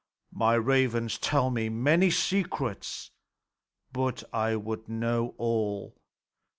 My ravens tell me many secrets; but I would know all.